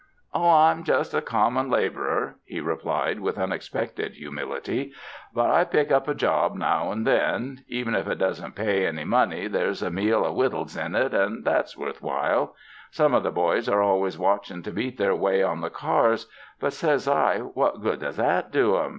"Oh, I'm just a common laborer," he replied with unexpected humility, "but I pick up a job now and then. Even if it doesn't pay any money, there's a meal of wittles in it, and that's worth while. Some of the boys are always watching to beat their way on the cars ; but, says I, what good does that do 'em?